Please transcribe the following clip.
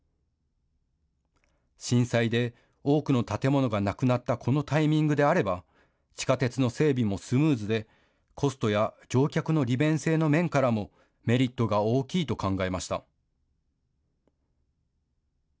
震災で多くの建物がなくなったこのタイミングであれば地下鉄の整備もスムーズでコストや乗客の利便性の面からもメリットが大きいと考えました。